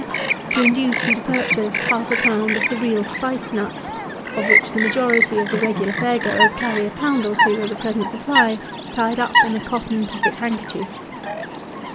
to induce you to purchase half a pound of the real spice nuts, of which the majority of the regular fair goers carry a pound or two as a present supply, tied up in a cotton pocket handkerchief.